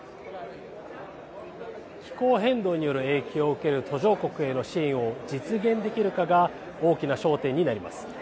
気候変動による影響を受ける途上国への支援を実現できるかが大きな焦点になります。